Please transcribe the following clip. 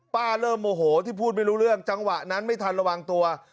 เริ่มโมโหที่พูดไม่รู้เรื่องจังหวะนั้นไม่ทันระวังตัว